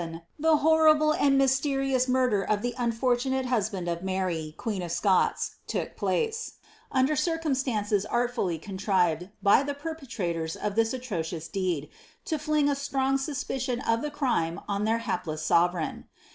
In February, 1567, the horrible and mysterious murder of the nufbr Mnate husband of Mary, queen of Scots, took place, under circumstancn • artfully contrived by the perpeiratora of this atrocious deed, to fling a strong suspicion of the crime on their hapless sovereign.